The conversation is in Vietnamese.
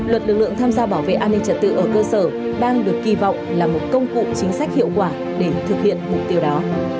luật lực lượng tham gia bảo vệ an ninh trật tự ở cơ sở đang được kỳ vọng là một công cụ chính sách hiệu quả để thực hiện mục tiêu đó